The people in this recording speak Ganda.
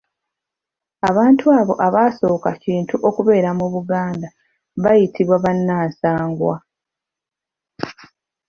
Abantu abo abaasooka Kintu okubeera mu Buganda, bayitibwa bannansangwa.